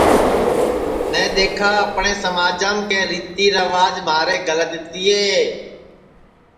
میں دؔیکھا اپٹؔے سماجم کہ ریتی ریواج مہارے گلت تیے